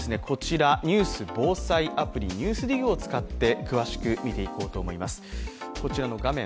今日もこちら、ニュース防災アプリ「ＮＥＷＳＤＩＧ」を使って詳しく見ていこうと思います。